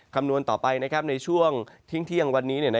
คำนวณต่อไปในช่วงทิ้งเที่ยงวันนี้